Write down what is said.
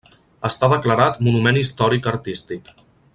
Està declarat Monument Històric Artístic.